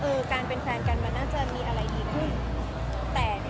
คือการเป็นแฟนกันมันน่าจะมีอะไรดีขึ้น